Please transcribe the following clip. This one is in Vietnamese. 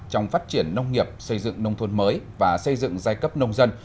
trong phát triển nông nghiệp xây dựng nông thôn mới và xây dựng giai cấp nông dân